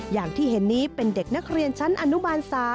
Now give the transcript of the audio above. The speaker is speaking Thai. อย่างที่เห็นนี้เป็นเด็กนักเรียนชั้นอนุบาล๓